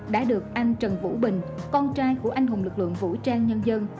đã được anh trần vũ bình con trai của anh hùng lực lượng vũ trang nhân dân